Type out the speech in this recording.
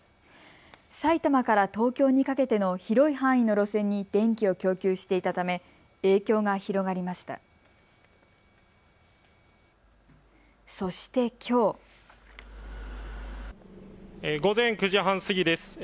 埼玉から東京にかけての広い範囲の路線に電気を供給していたため影響が広がりました。